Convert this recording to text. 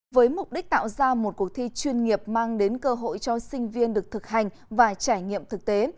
với mục đích tạo ra một cuộc thi chuyên nghiệp mang đến cơ hội cho sinh viên được thực hành và trải nghiệm thực tế